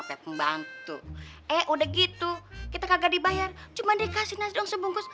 betul bang enam ribu doel kecil kita tuh b embargo